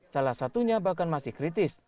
salah satunya bahkan masih kritis